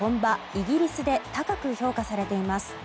イギリスで高く評価されています。